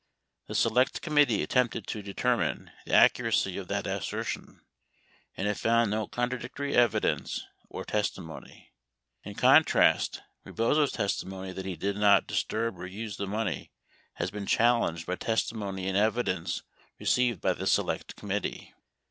The Select Committee attempted to determine the accuracy of that assertion, and it found no contradictory evidence or testimony. In contrast, Rebozo's testimony that he did not dis turb or use the money has been challenged by testimony and evi dence received by the Select Committee.